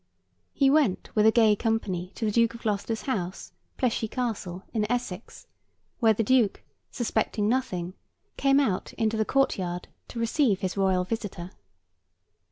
He went with a gay company to the Duke of Gloucester's house, Pleshey Castle, in Essex, where the Duke, suspecting nothing, came out into the court yard to receive his royal visitor.